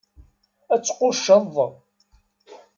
Ad tqucceḍ!